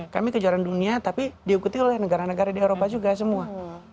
kami kejuaraan dunia tapi diikuti oleh negara negara di eropa juga semua